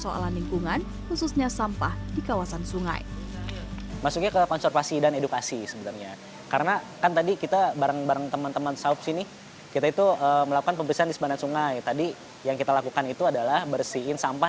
endang pun merasa perekonomian keluarganya menjadi lebih terarah